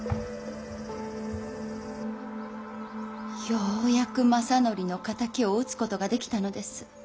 ようやく政範の敵を討つことができたのです。